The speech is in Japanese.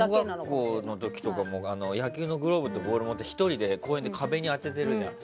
小学校の時とかも野球のグローブとボール持って１人で公園で壁に当ててるじゃん。